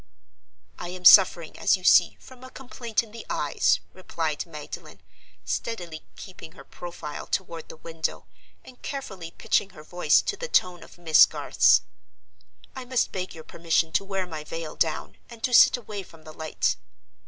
"I am suffering, as you see, from a complaint in the eyes," replied Magdalen, steadily keeping her profile toward the window, and carefully pitching her voice to the tone of Miss Garth's. "I must beg your permission to wear my veil down, and to sit away from the light."